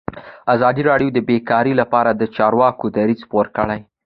ازادي راډیو د بیکاري لپاره د چارواکو دریځ خپور کړی.